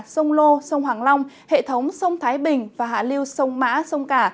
sông lô sông hoàng long hệ thống sông thái bình và hạ liêu sông mã sông cả